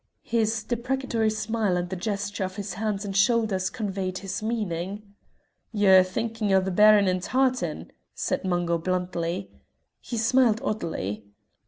His deprecatory smile and the gesture of his hands and shoulders conveyed his meaning. "Ye're thinkin' o' the Baron in tartan," said Mungo, bluntly. He smiled oddly.